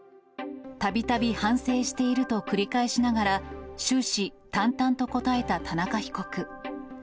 たびたび反省していると繰り返しながら、終始、淡々と答えた田中被告。